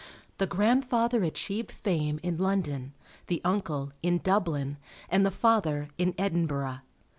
The grandfather achieved fame in London; the uncle, in Dublin; and the father, in Edinburgh.